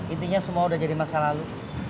intinya semua udah jadi masa lalu